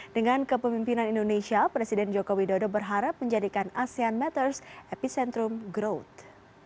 dengan kepemimpinan indonesia presiden joko widodo berharap menjadikan asean matters epicentrum growth